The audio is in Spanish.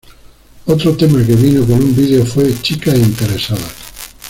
Otro tema que vino con un video fue "Chicas Interesadas".